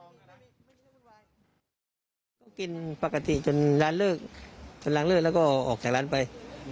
ก็กินปกติจนร้านเลิกจนร้านเลิกแล้วก็ออกจากร้านไป